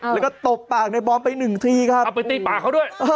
แล้วก็ตบปากในบอมไปหนึ่งทีครับเอาไปตีปากเขาด้วย